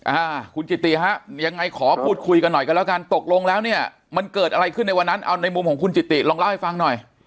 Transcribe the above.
อ่าคุณจิติฮะยังไงขอพูดคุยกันหน่อยกันแล้วกันตกลงแล้วเนี่ยมันเกิดอะไรขึ้นในวันนั้นเอาในมุมของคุณจิติลองเล่าให้ฟังหน่อย